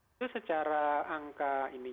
itu secara angka ini